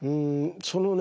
そのね